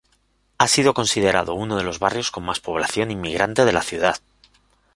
Ha sido considerado uno de los barrios con más población inmigrante de la ciudad.